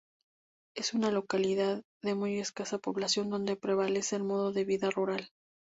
Es una localidad de muy escasa población donde prevalece el modo de vida rural.